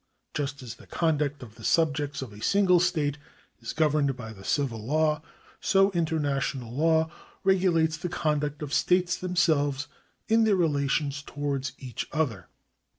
Just as the conduct of the subjects of a single state is governed by the civil law, so international law regulates the conduct of states themselves in their relations towards each other.